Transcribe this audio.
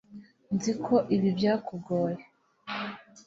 nzi ko ibi byakugoye